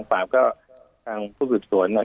ทางผู้จุดสวนก็